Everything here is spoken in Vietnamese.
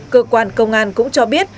cơ quan công an cũng cho biết